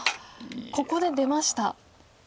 ここで出ました。